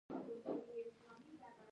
وړاندې مو وویل چې پانګه پراخوالی پیدا کوي